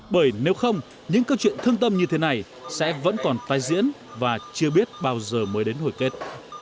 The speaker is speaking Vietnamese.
bởi nếu không những câu chuyện thương tâm như thế này sẽ vẫn còn tai diễn và chưa biết bao giờ mới đến hồi kết